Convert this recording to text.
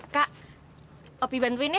kak opi bantuin ya